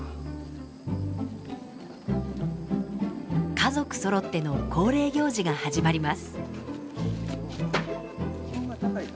家族そろっての恒例行事が始まります。